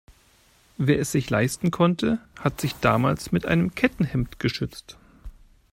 Wer es sich leisten konnte, hat sich damals mit einem Kettenhemd geschützt.